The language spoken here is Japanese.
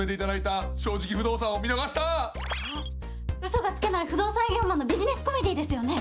あっ嘘がつけない不動産営業マンのビジネスコメディーですよね？